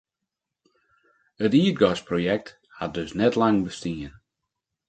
It ierdgasprojekt hat dus net lang bestien.